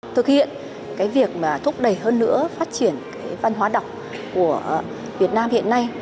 thực hiện cái việc mà thúc đẩy hơn nữa phát triển cái văn hóa đọc của việt nam hiện nay